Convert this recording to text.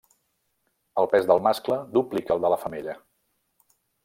El pes del mascle duplica el de la femella.